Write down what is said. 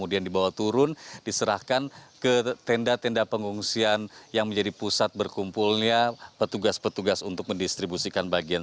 dibawa turun diserahkan ke tenda tenda pengungsian yang menjadi pusat berkumpulnya petugas petugas untuk mendistribusikan bagian